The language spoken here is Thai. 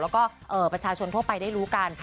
แล้วก็ประชาชนทั่วไปได้รู้กัน